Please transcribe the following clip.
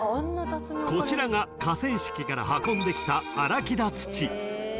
［こちらが河川敷から運んできた］